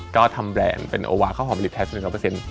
ก็ทำแบรนด์เป็นโอวาข้าวหอมผลิตไทยส๑๐๐